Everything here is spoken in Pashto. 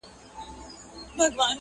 مسیحا چي مي اکسیر جو کړ ته نه وې.!